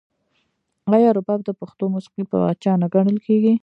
آیا رباب د پښتو موسیقۍ پاچا نه ګڼل کیږي؟